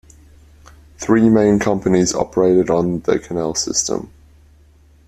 Three main companies operated on the canal system.